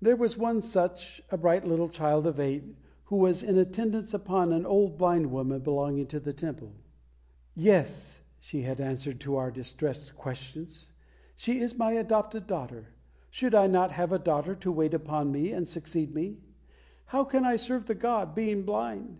There was one such, a bright little child of eight, who was in attendance upon an old blind woman belonging to that Temple. "Yes," she had answered to our distressed questions, "she is my adopted daughter. Should I not have a daughter to wait upon me and succeed me? How can I serve the god, being blind?"